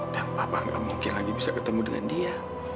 dan bapak gak mungkin lagi bisa ketemu dengan dia